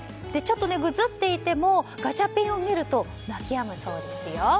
ちょっとぐずっていてもガチャピンを見ると泣き止むそうですよ。